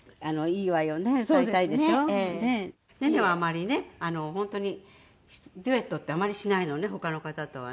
ネネはあまりね本当にデュエットってあまりしないのね他の方とはね。